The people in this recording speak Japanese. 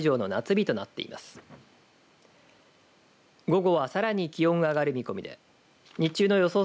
午後はさらに気温が上がる見込みで日中の予想